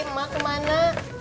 tati emak kemana